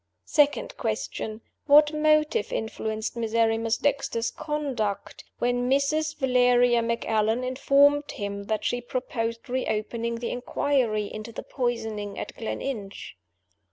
"Second Question: What motive influenced Miserrimus Dexter's conduct, when Mrs. (Valeria) Macallan informed him that she proposed reopening the inquiry into the poisoning at Gleninch?